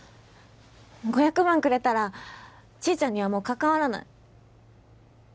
５００万くれたらちーちゃんにはもう関わらない